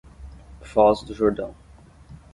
Foz do Jordão